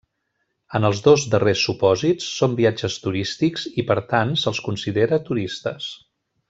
En els dos darrers supòsits són viatges turístics i per tant se'ls considera turistes.